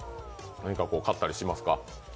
何か買ったりしますか？